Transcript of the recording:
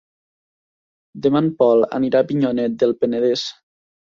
Demà en Pol anirà a Avinyonet del Penedès.